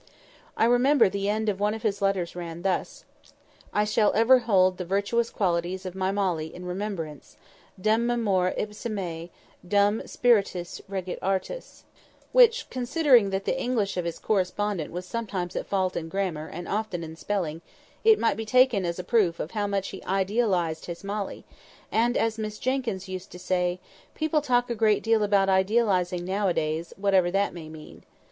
I remember the end of one of his letters ran thus: "I shall ever hold the virtuous qualities of my Molly in remembrance, dum memor ipse mei, dum spiritus regit artus," which, considering that the English of his correspondent was sometimes at fault in grammar, and often in spelling, might be taken as a proof of how much he "idealised his Molly;" and, as Miss Jenkyns used to say, "People talk a great deal about idealising now a days, whatever that may mean."